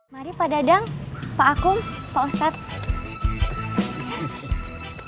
mari pak dadang pak akun pak ustadz